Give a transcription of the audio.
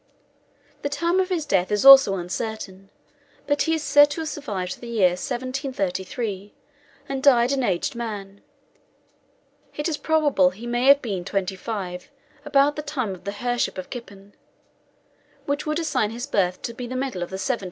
* The time of his death is also uncertain, but as he is said to have survived the year 1733, and died an aged man, it is probable he may have been twenty five about the time of the Her' ship of Kippen, which would assign his birth to the middle of the 17th century.